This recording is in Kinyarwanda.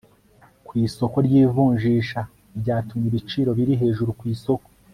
ku isoko ry'ivunjisha byatumyeibiciro biri hejuru ku isoko